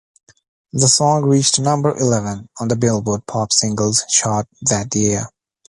The song reached number eleven on the Billboard Pop Singles chart that year.